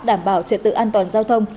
đảm bảo trợ tự an toàn giao thông